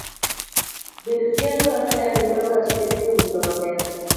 Bedo gi alwora maler miyo ng'ato bedo gi ngima maber.